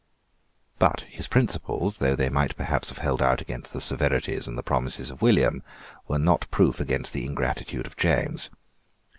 But his principles, though they might perhaps have held out against the severities and the promises of William, were not proof against the ingratitude of James.